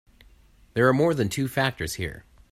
There are more than two factors here.